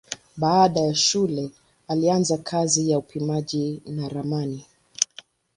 Baada ya shule alianza kazi ya upimaji na ramani.